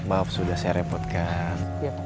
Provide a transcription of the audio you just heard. maaf sudah saya repotkan